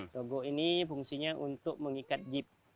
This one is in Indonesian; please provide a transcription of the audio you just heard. togo ini fungsinya untuk mengikat jeep